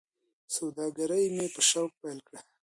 سوداګري مې په شوق پیل کړه.